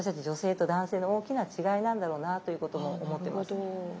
女性と男性の大きな違いなんだろうなということも思ってます。